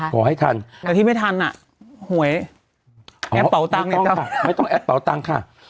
ขอให้ทันแล้วที่ไม่ทันอ่ะหวยแอบเป๋าตังค์ไม่ต้องไม่ต้องแอบเป๋าตังค่ะ